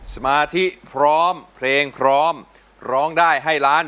สมาธิพร้อมเพลงพร้อมร้องได้ให้ล้าน